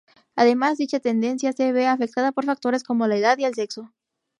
Además, dicha tendencia se ve afectada por factores como la edad y el sexo.